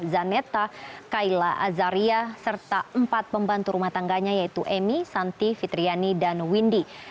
zanetha kaila azaria serta empat pembantu rumah tangganya yaitu emi santi fitriani dan windy